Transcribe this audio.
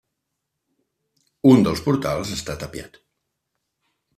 Un dels portals està tapiat.